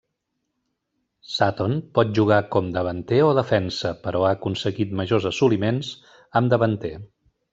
Sutton pot jugar com davanter o defensa, però ha aconseguit majors assoliments amb davanter.